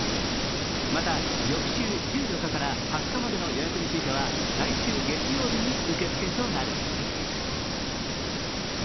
また、翌週１４日から２０日までの予約については来週月曜日に受け付けとなる。